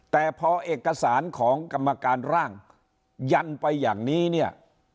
แต่พอเอกสารของกรรมการร่างยันไปอย่างนี้เนี่ย